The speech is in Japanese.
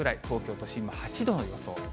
東京都心も８度の予想。